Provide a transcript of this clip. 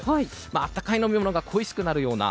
温かい飲み物が恋しくなるような